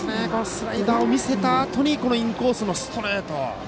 スライダーを見せたあとインコースのストレート。